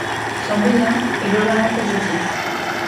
Son bilan est globalement positif.